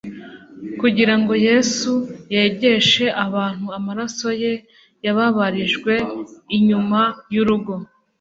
"Kugira ngo Yesu yejeshe abantu amaraso ye yababarijwe inyuma y'urugo."